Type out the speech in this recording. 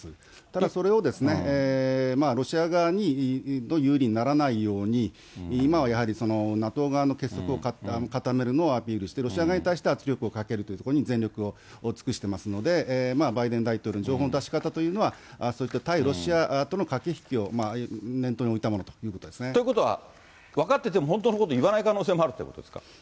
ただ、それをロシア側の有利にならないように、今はやはりＮＡＴＯ側の結束を固めるのをアピールして、ロシア側に対しては圧力をかけるということに全力を尽くしてますので、バイデン大統領の情報の出し方というのは、そういった対ロシアとの駆け引きを念頭に置いたものということでということは、分かってても本当のこと言わない可能性もあるということですか。